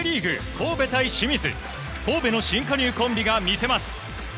神戸の新加入コンビが魅せます。